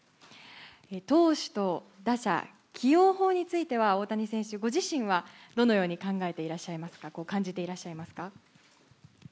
投手と打者、起用法については大谷選手ご自身はどのように感じていらっしゃいますか。